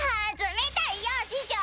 冷たいよ師匠！